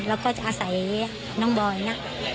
แล้วก็จะอาศัยน้องบอยนะ